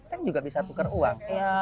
kan juga bisa tukar uang